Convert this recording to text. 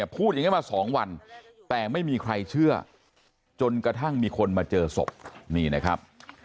พูดอย่างนี้มา๒วันแต่ไม่มีใครเชื่อจนกระทั่งมีคนมาเจอศพนี่นะครับ